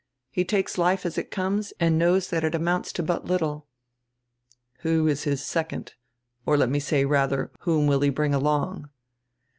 He takes life as it comes and knows that it amounts to but little." "Who is his second! Or let me say, rather, whom will he bring along?"